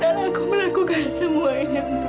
kenapa aku melakukan semuanya untuk dewi